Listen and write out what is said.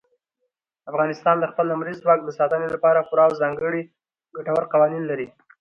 افغانستان د خپل لمریز ځواک د ساتنې لپاره پوره او ځانګړي ګټور قوانین لري.